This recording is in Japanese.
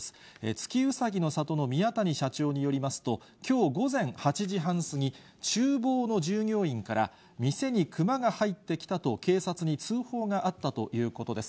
月うさぎの里の宮谷社長によりますと、きょう午前８時半過ぎ、ちゅう房の従業員から、店にクマが入ってきたと警察に通報があったということです。